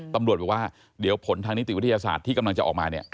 ตำรวจบอกว่าเดี๋ยวผลทางนิติวิทยาศาสตร์ที่กำลังจะออกมาเนี่ย